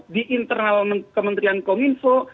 di internal kementerian kom info